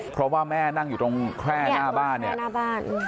เพราะว่าแม่นั่งอยู่ตรงแคร่หน้าบ้านเนี่ยหน้าบ้าน